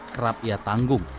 kerap ia tanggung